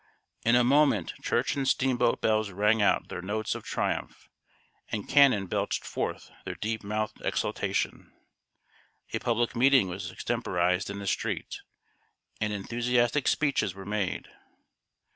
In a moment church and steamboat bells rang out their notes of triumph, and cannon belched forth their deep mouthed exultation. A public meeting was extemporized in the street, and enthusiastic speeches were made.